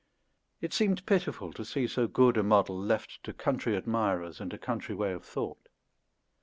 It seemed pitiful to see so good a model left to country admirers and a country way of thought.